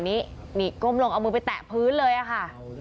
นี่นี่ก้มลงเอามือไปแตะพื้นเลยค่ะ